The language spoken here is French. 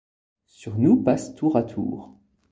Sur nous passent tour à tour… -